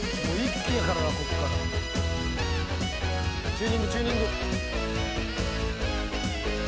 チューニングチューニング。